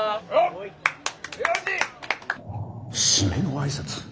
締めの挨拶。